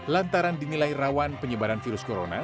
lantaran dinilai rawan penyebaran virus corona